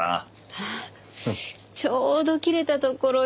あっちょうど切れたところよ。